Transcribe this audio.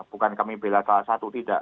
bukan kami bela salah satu tidak